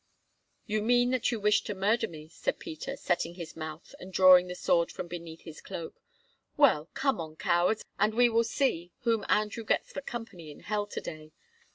"You mean that you wish to murder me," said Peter, setting his mouth and drawing the sword from beneath his cloak. "Well, come on, cowards, and we will see whom Andrew gets for company in hell to day.